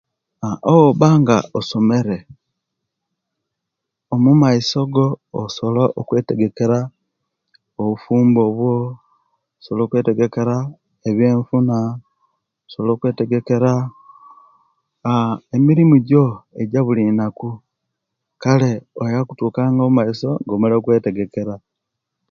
Owona nga osomere omumaiso go osobola okwetegekera obufumbo osobola okwetegekera ebyenfuna osobola okwetegekera ebyenfuna, osobola okwetegekera emirimu Jo ejabulinaku, Kale oyabanga okutuka omumaiso nga omalire okwetegekera